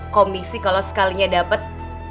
komisi kalau sekalinya dapet